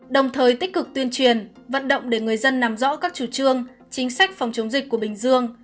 đồng thời tích cực tuyên truyền vận động để người dân nắm rõ các chủ trương chính sách phòng chống dịch của bình dương